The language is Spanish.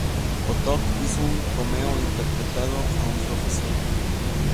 Potok hizo un cameo interpretando a un profesor.